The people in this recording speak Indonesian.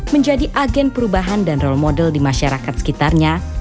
menjadi agen perubahan dan role model di masyarakat sekitarnya